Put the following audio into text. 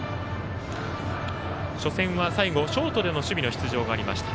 初戦は最後、ショートでの守備の出場がありました。